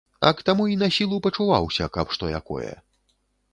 А к таму й на сілу пачуваўся, каб што якое.